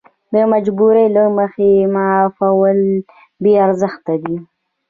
د مجبورۍ له مخې معافول بې ارزښته دي.